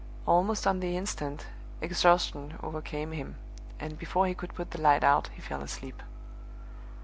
Almost on the instant, exhaustion overcame him, and before he could put the light out he fell asleep.